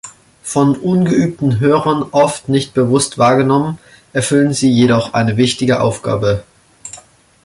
Von ungeübten Hörern oft nicht bewusst wahrgenommen, erfüllen sie jedoch eine wichtige Aufgabe.